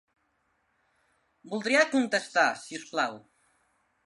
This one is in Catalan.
Voldria contestar, si us plau.